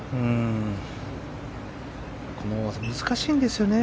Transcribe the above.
難しいんですよね。